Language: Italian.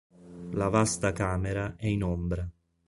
La vasta camera è in ombra.